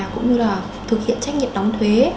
cũng như là thực hiện trách nhiệm đóng thuế